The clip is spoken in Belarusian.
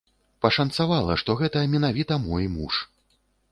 Пашанцавала, што гэта менавіта мой муж.